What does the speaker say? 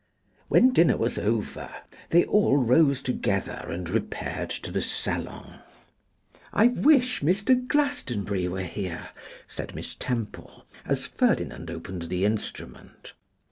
When dinner was over they all rose together and repaired to the salon. 'I wish Mr. Glastonbury were here,' said Miss Temple, as Ferdinand opened the instrument.